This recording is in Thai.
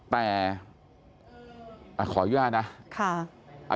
แต่ขออนุญาตนะ